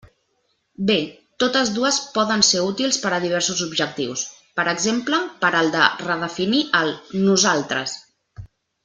Bé, totes dues poden ser útils per a diversos objectius, per exemple per al de redefinir el "nosaltres".